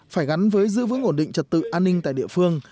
phải gắn với giữ vững ổn định trật tự an ninh tại địa phương